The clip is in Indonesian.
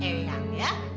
eh eyang ya